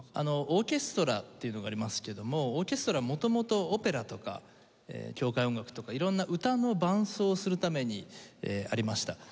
オーケストラっていうのがありますけどもオーケストラは元々オペラとか教会音楽とか色んな歌の伴奏をするためにありました。